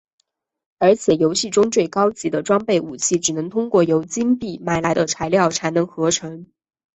而且游戏中最高级的装备武器只能通过由金币买来的材料才能合成。